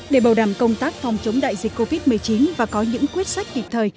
để bảo đảm công tác phòng chống đại dịch covid một mươi chín và có những quyết sách kịp thời